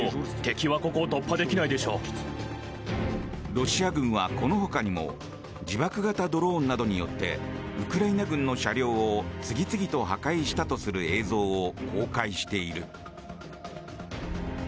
ロシア軍はこのほかにも自爆型ドローンなどによってウクライナ軍の車両を次々と破壊したとする映像を公開している。